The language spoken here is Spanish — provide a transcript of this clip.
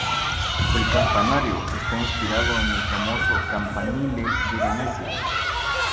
El campanario está inspirado en el famoso "campanile" de Venecia.